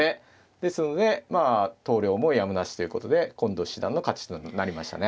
ですので投了もやむなしということで近藤七段の勝ちとなりましたね。